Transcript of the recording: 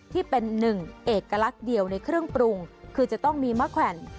ที่เป็นหนึ่งเอกลักษณ์เดียวในเครื่องปรุงคือจะต้องมีมะแขวน